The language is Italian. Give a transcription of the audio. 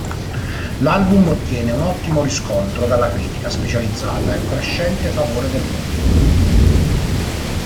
L'album ottiene un ottimo riscontro dalla critica specializzata e un crescente favore del pubblico.